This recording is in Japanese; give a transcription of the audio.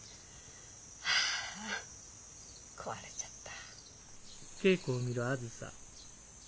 ああ壊れちゃった。